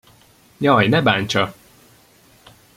Jaj, ne bántsa!